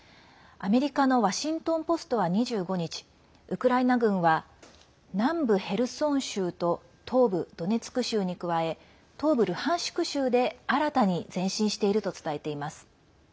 アメリカのワシントン・ポストは２５日ウクライナ軍は南部ヘルソン州と東部ドネツク州に加え東部ルハンシク州で新たに前進していると伝えています。